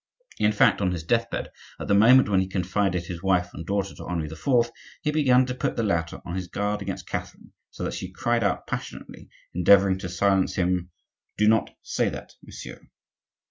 In fact, on his deathbed, at the moment when he confided his wife and daughter to Henri IV., he began to put the latter on his guard against Catherine, so that she cried out passionately, endeavoring to silence him, "Do not say that, monsieur!"